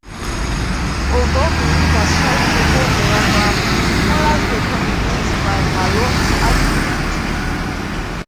Although believers tried to hold their ground, scholars were convinced by Malone's arguments.